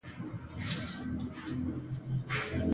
ایا زه باید واکسین وکړم؟